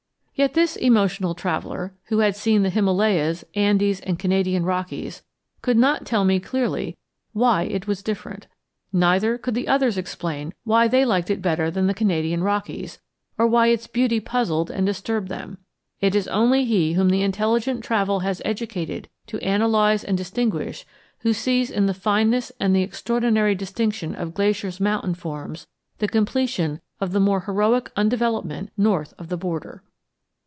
Yet this emotional traveller, who had seen the Himalayas, Andes, and Canadian Rockies, could not tell me clearly why it was different. Neither could the others explain why they liked it better than the Canadian Rockies, or why its beauty puzzled and disturbed them. It is only he whom intelligent travel has educated to analyze and distinguish who sees in the fineness and the extraordinary distinction of Glacier's mountain forms the completion of the more heroic undevelopment north of the border.